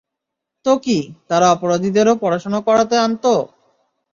তো কি, তারা অপরাধীদেরও পড়াশোনা করাতে আনতো?